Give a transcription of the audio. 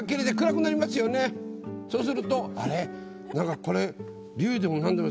そうすると「あれ？これ」。